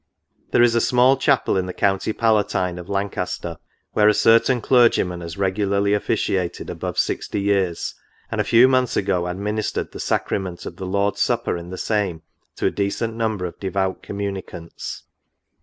" There is a small chapel, in the county palatine of Lancaster, where a certain clergyman has regularly officiated above sixty years, and a few months ago administered the sacrament of the Lord's Supper in the same, to a decent number of devout communicants.